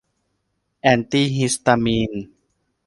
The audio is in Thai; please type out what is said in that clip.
แอนตี้ฮิสตามีน